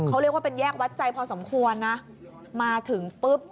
เขาเรียกว่าเป็นแยกวัดใจพอสมควรนะมาถึงปุ๊บ